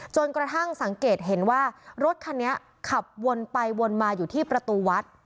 จนกระทั่งสังเกตเห็นว่ารถคันนี้ขับวนไปวนมาอยู่ที่ประตูวัด